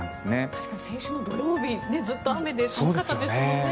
確かに先週土曜日ずっと雨で寒かったですよね。